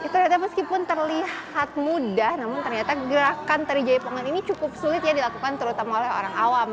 ternyata meskipun terlihat mudah namun ternyata gerakan tari jaipongan ini cukup sulit ya dilakukan terutama oleh orang awam